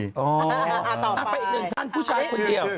อีกหนึ่งท่านผู้ชายคนเดียว